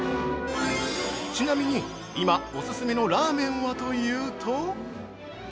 ちなみに、今オススメのラーメンはというと？